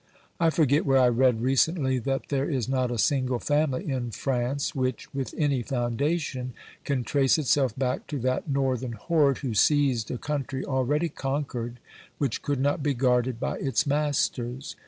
I forget where I read recently that there is not a single family in France which, with any foundation, can trace itself back to that northern horde who seized a country, already conquered, which could not OBERMANN 89 be guarded by its masters.